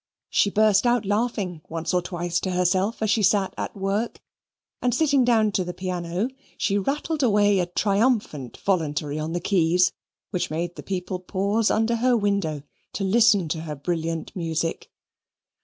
She burst out laughing once or twice to herself, as she sat at work, and sitting down to the piano, she rattled away a triumphant voluntary on the keys, which made the people pause under her window to listen to her brilliant music.